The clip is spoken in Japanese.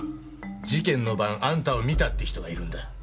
事件の晩あんたを見たって人がいるんだ。